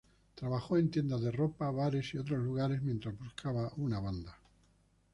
Trabajó en tiendas de ropa, bares y otros lugares mientras buscaba una banda.